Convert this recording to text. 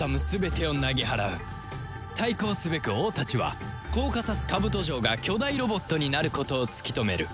対抗すべく王たちはコーカサスカブト城が巨大ロボットになることを突き止める